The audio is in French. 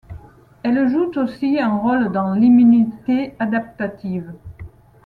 Elles jouent aussi un rôle dans l'immunité adaptative.